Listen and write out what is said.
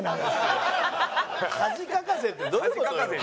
恥かかせってどういう事よ？